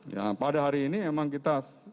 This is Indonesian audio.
ya pada hari ini memang kita